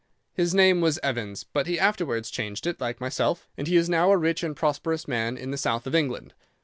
His name was Evans, but he afterwards changed it, like myself, and he is now a rich and prosperous man in the south of England.